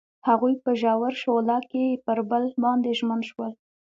هغوی په ژور شعله کې پر بل باندې ژمن شول.